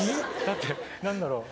だって何だろう